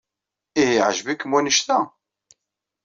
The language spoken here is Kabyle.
Ihi yeɛjeb-ikem wanect-a?